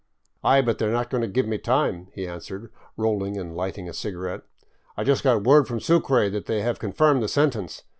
" Aye, but they 're not going to give me time," he answered, rolling and lighting a cigarette. " I just got word from Sucre that they have confirmed the sentence.